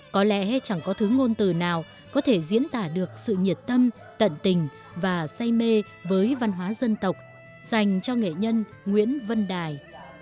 có lẽ chẳng có thứ ngôn từ nào có thể diễn tả được sự nhiệt tâm tận tình và say mê với văn hóa dân tộc dành cho nghệ nhân nguyễn văn đài